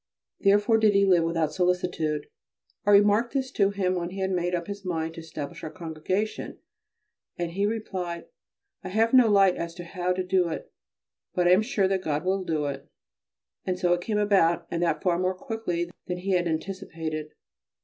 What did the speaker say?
Therefore did he live without solicitude. I remarked this to him when he had made up his mind to establish our Congregation, and he replied: "I have no light as to how to do it, but I am sure that God will do it"; and so it came about, and that far more quickly than he anticipated.